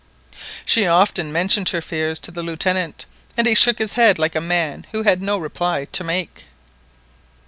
She often mentioned her fears to the Lieutenant, and he shook his head like a man who had no reply to make.